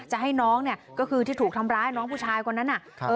จะให้น้องเนี่ยก็คือที่ถูกทำร้ายน้องผู้ชายคนนั้นน่ะ